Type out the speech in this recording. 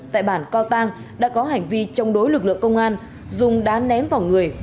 tại bản co tăng đã có hành vi chống đối lực lượng công an dùng đá ném vào người